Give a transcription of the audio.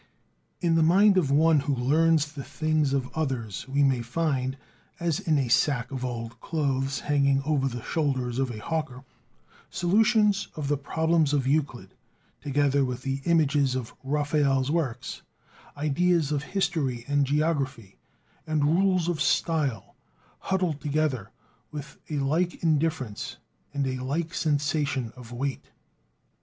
In the mind of one who "learns the things of others" we may find, as in a sack of old clothes hanging over the shoulders of a hawker, solutions of the problems of Euclid, together with the images of Raphael's works, ideas of history and geography, and rules of style, huddled together with a like indifference and a like sensation of "weight."